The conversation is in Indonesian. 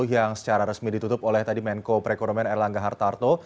yang secara resmi ditutup oleh tadi menko perekonomian erlangga hartarto